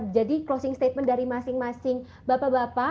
jadi closing statement dari masing masing bapak bapak